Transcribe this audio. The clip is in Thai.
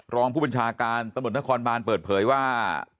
รองผู้บัญชาการตำรวจนครบานเปิดเผยว่า